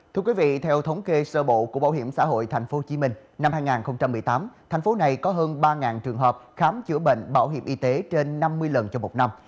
thưa quý vị theo thống kê sơ bộ của bảo hiểm xã hội tp hcm năm hai nghìn một mươi tám thành phố này có hơn ba trường hợp khám chữa bệnh bảo hiểm y tế trên năm mươi lần trong một năm